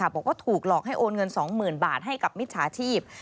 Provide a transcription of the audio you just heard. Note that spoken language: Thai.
บอกว่าถูกหลอกให้โอนเงิน๒๐๐๐บาทให้กับมิจฉาชีพ